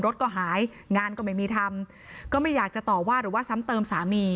รถก็หายงานก็ไม่มีทำก็ไม่อยากจะต่อว่าหรือว่าซ้ำเติมสามี